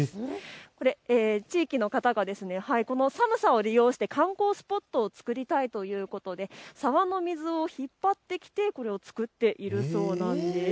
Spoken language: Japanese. これ、地域の方が寒さを利用して観光スポットを作りたいということで沢の水を引っ張ってきてこれを作っているそうなんです。